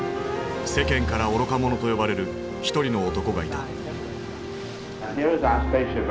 世間から「愚か者」と呼ばれる一人の男がいた。